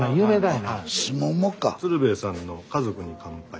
「鶴瓶さんの家族に乾杯」。